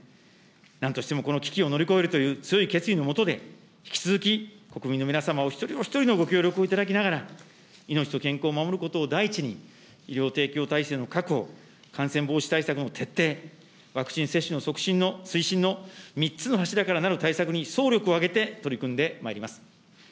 なんとしてもこの危機を乗り越えるという強い決意のもとで、引き続き、国民の皆様お一人お一人のご協力をいただきながら、命と健康を守ることを第一に、医療提供体制の確保、感染防止対策の徹底、ワクチン接種の促進の、推進の３つの柱からなる対策に、総力を挙げて取り組んでまいります。